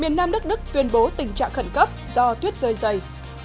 miền nam đức đức tuyên bố tình trạng khẩn cấp do tuyết rơi dày